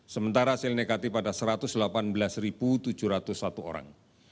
sementara hasil negatif ada satu ratus delapan belas tujuh ratus satu orang